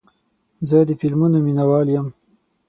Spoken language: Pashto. زه د فلمونو مینهوال یم.